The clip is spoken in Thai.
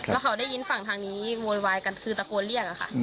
แล้วเขาได้ยินฝั่งทางนี้โวยวายกันคือตะโกนเรียกอะค่ะ